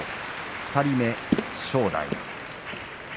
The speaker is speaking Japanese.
２人目、正代。